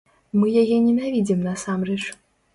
Мы яе ненавідзім насамрэч.